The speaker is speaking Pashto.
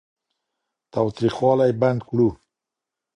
تاوتريخوالی بند کړو.